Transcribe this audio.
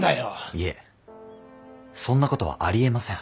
いえそんなことはありえません。